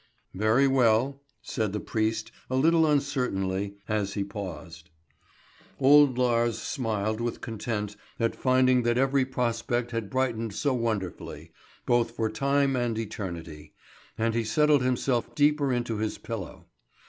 "Very well," said the priest a little uncertainly, as he paused. Old Lars smiled with content at finding that every prospect had brightened so wonderfully, both for time and eternity; and he settled himself deeper into his pillow.